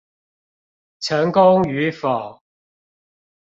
成功與否